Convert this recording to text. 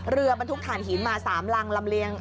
เรือมันทุกฐานหินมา๓ลำ